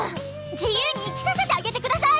自由に生きさせてあげてください！